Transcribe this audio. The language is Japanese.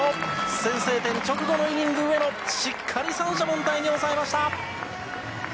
先制点直後のイニング、上野、しっかり三者凡退に抑えました。